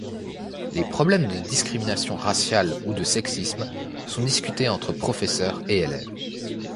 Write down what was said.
Les problèmes de discrimination raciale ou de sexisme sont discutés entre professeurs et élèves.